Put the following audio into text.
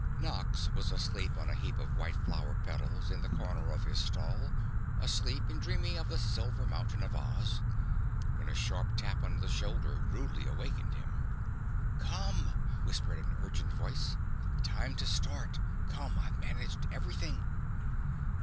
Nox was asleep on a heap of white flower petals in the corner of his stall, asleep and dreaming of the Silver Mountain of Oz, when a sharp tap on the shoulder rudely awakened him. "Come!" whispered an urgent voice. "Time to start! Come, I've managed everything."